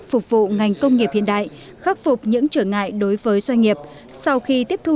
phục vụ ngành công nghiệp hiện đại khắc phục những trở ngại đối với doanh nghiệp sau khi tiếp thu